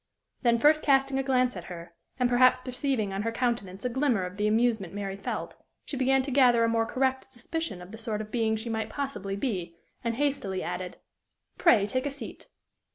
Then first casting a glance at her, and perhaps perceiving on her countenance a glimmer of the amusement Mary felt, she began to gather a more correct suspicion of the sort of being she might possibly be, and hastily added, "Pray, take a seat."